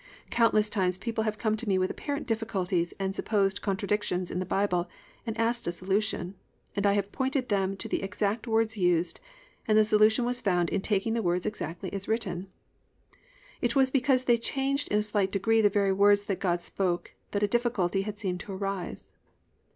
Countless times people have come to me with apparent difficulties and supposed contradictions in the Bible and asked a solution, and I have pointed them to the exact words used and the solution was found in taking the words exactly as written. It was because they changed in a slight degree the very words that God spoke that a difficulty had seemed to arise.